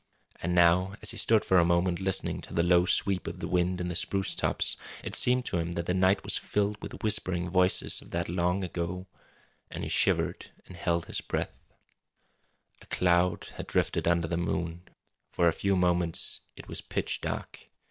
And now, as he stood for a moment listening to the low sweep of the wind in the spruce tops, it seemed to him that the night was filled with whispering voices of that long ago and he shivered, and held his breath. A cloud had drifted under the moon. For a few moments it was pitch dark.